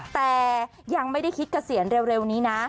แต่ยังไม่ได้คิดเกษียณเร็วนี้นะ